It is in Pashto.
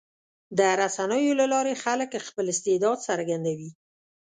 د رسنیو له لارې خلک خپل استعداد څرګندوي.